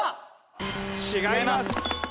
違います。